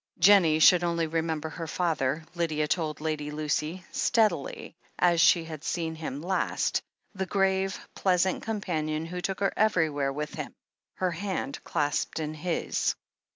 Jennie should only remember her father, Lydia told Lady Lucy, steadily, as she had seen him last, the grave, pleasant companion who took her ever3rwhere with him, her hand clasped in his.